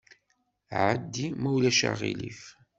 Ɛeddi, ma ulac aɣilif.